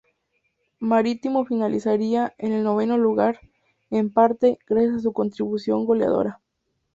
Marítimo finalizaría en el noveno lugar, en parte, gracias a su contribución goleadora.